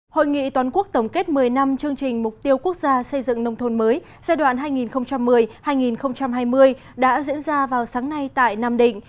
hội nghị toàn quốc tổng kết một mươi năm chương trình mục tiêu quốc gia xây dựng nông thôn mới giai đoạn hai nghìn một mươi hai nghìn hai mươi đã diễn ra vào sáng nay tại nam định